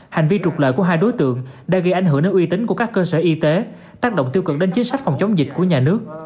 hành vi trục lợi của hai đối tượng đã gây ảnh hưởng đến uy tín của các cơ sở y tế tác động tiêu cực đến chính sách phòng chống dịch của nhà nước